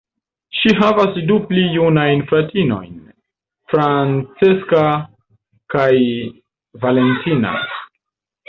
Ŝi havas du pli junajn fratinojn, Francesca kaj Valentina.